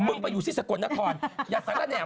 มึงไปอยู่ที่สปนแนฟอย่าทำร้ายแขนแหง